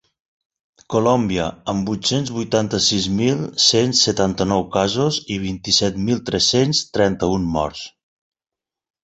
Colòmbia, amb vuit-cents vuitanta-sis mil cent setanta-nou casos i vint-i-set mil tres-cents trenta-un morts.